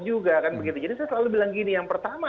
juga kan begitu jadi saya selalu bilang gini yang pertama